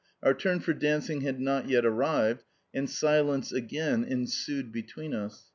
Our turn for dancing had not yet arrived, and silence again ensued between us.